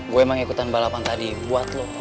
gue emang ikutan balapan tadi buat lo